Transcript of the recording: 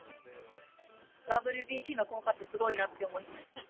ＷＢＣの効果って、すごいなって思いました。